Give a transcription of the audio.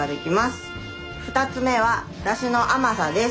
２つ目はだしの甘さです。